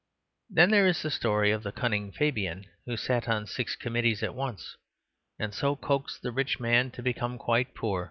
Then there is the story of the cunning Fabian who sat on six committees at once and so coaxed the rich man to become quite poor.